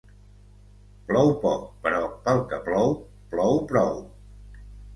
Plou poc però pel que plou plou prou